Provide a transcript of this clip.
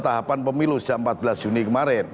tahapan pemilu sejak empat belas juni kemarin